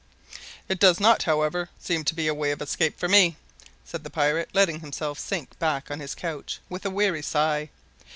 "It does not, however, seem to be a way of escape for me," said the pirate, letting himself sink back on his couch with a weary sigh.